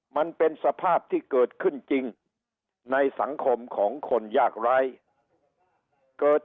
มันเป็นสภาพที่เกิดขึ้นจริงในสังคมของคนยากร้ายเกิด